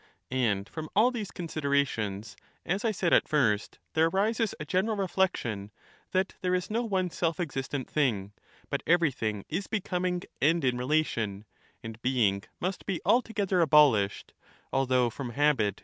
And from all these considerations, as I said at first, Everything there arises a general reflection, that there is no one self ^™«s» existent thing, but everything is becoming and in relation ; comes reia "^ and being must be altogether abolished, although from habit ^^<^iy *?